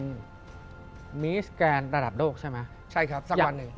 อย่างอิงฟ้านี่มันใกล้เคียงทั้งมันนะหรือเปล่าพี่นวัสส์รองหนึ่งแหนะ